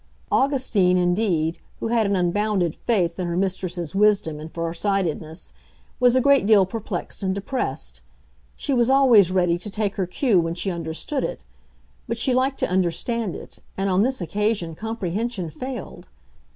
Augustine, indeed, who had an unbounded faith in her mistress's wisdom and far sightedness, was a great deal perplexed and depressed. She was always ready to take her cue when she understood it; but she liked to understand it, and on this occasion comprehension failed.